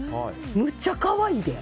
むっちゃ可愛いで。